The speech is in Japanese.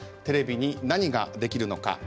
テレビに何ができるのか。